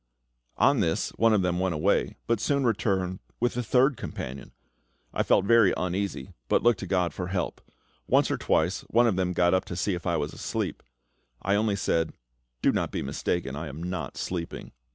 On this, one of them went away, but soon returned with a third companion. I felt very uneasy, but looked to GOD for help. Once or twice one of them got up to see if I was asleep. I only said, "Do not be mistaken; I am not sleeping."